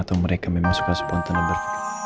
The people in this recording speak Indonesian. atau mereka memang suka spontan ber